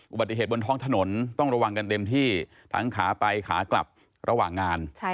อุบัติเหตุบนท้องถนนต้องระวังกันเต็มที่ทั้งขาไปขากลับระหว่างงาน